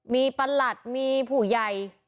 มีประหลัดมีผู้ใหญ่